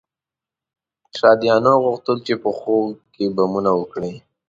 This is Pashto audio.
شهادیانو غوښتل چې په خوړ کې بمونه وکري.